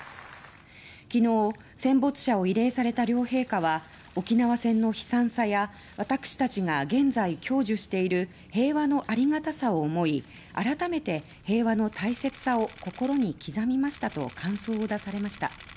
昨日、戦没者慰霊された両陛下は沖縄戦の悲惨さや私達が現在享受している平和のありがたさを思い改めて平和の大切さを心に刻みましたと感想を出されました。